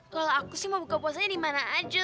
kalau aku sih mau buka puasanya di mana aja